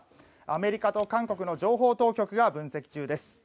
アメリカと韓国の情報当局が分析中です。